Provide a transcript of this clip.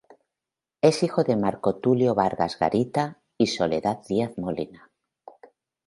Es hijo de Marco Tulio Vargas Garita y Soledad Díaz Molina.